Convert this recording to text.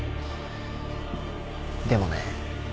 でもね